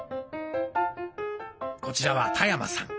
こちらは田山さん。